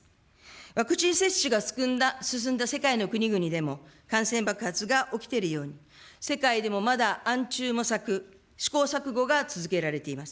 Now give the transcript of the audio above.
ワクチン接種が進んだ世界の国々でも、感染爆発が起きているように、世界でもまだ暗中模索、試行錯誤が続けられています。